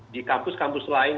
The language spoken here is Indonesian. di kampus kampus lain